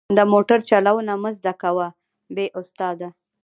د موټر چلوونه مه زده کوه بې استاده.